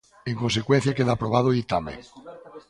En consecuencia, queda aprobado o ditame.